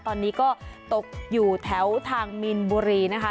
ตอนนี้ก็ตกอยู่แถวทางมีนบุรีนะคะ